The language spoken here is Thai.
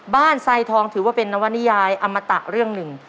ไซทองถือว่าเป็นนวนิยายอมตะเรื่องหนึ่ง